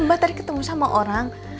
mbak tadi ketemu sama orang